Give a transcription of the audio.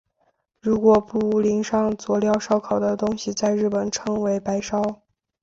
如果不淋上佐料烧烤的东西在日本称为白烧。